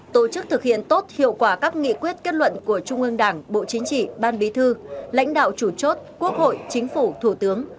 tổ chức thực hiện tốt hiệu quả các nghị quyết kết luận của trung ương đảng bộ chính trị ban bí thư lãnh đạo chủ chốt quốc hội chính phủ thủ tướng